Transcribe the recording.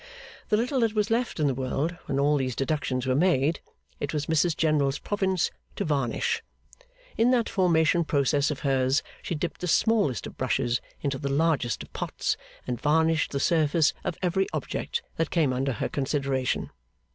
The little that was left in the world, when all these deductions were made, it was Mrs General's province to varnish. In that formation process of hers, she dipped the smallest of brushes into the largest of pots, and varnished the surface of every object that came under consideration.